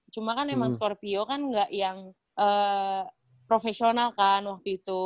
cuma kan emang skorpio kan gak yang profesional kan waktu itu